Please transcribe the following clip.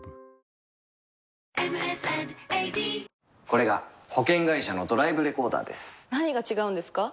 これが保険会社のドライブレコーダーです何が違うんですか？